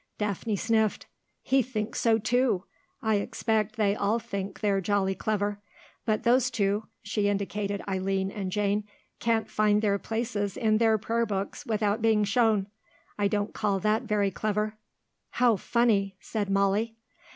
Daphne sniffed. "He thinks so, too. I expect they all think they're jolly clever. But those two" she indicated Eileen and Jane "can't find their places in their Prayer Books without being shown. I don't call that very clever." "How funny," said Molly.